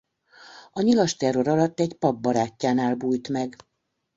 A nyilas terror alatt egy pap barátjánál bújt meg.